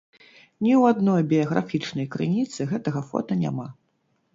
Ні ў адной біяграфічнай крыніцы гэтага фота няма.